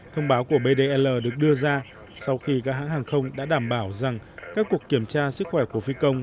thông báo của bdl được đưa ra sau khi các hãng hàng không đã đảm bảo rằng các cuộc kiểm tra sức khỏe của phi công